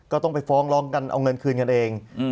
ก็ต้องไปฟ้องร้องกันเอาเงินคืนกันเอง